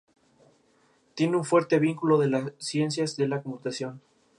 Tiene un fuerte vínculo con las ciencias de la computación.